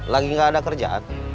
lagi gak ada kerjaan